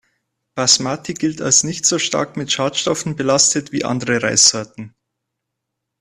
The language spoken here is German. Basmati gilt als nicht so stark mit Schadstoffen belastet wie andere Reissorten.